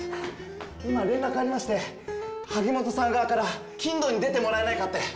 今連絡ありまして萩本さん側から『欽ドン！』に出てもらえないかって。